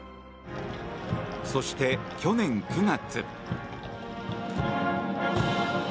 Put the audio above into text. そして去年９月。